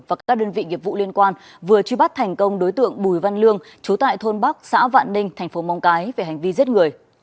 và các đơn vị nghiệp vụ liên quan vừa truy bắt thành công đối tượng bùi văn lương chú tại thôn bắc xã vạn ninh tp móng cái về hành vi giết người